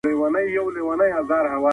محاسبه به ډېره سخته وي.